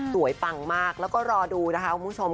ปังมากแล้วก็รอดูนะคะคุณผู้ชม